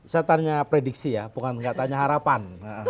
saya tanya prediksi ya bukan katanya harapan